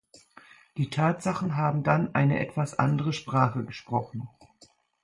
Die Tatsachen haben dann eine etwas andere Sprache gesprochen.